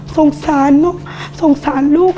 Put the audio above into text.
สงสารน้องสงสารลูก